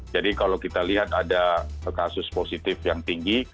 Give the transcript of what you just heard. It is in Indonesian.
jadi kalau kita lihat ada kasus positif yang tinggi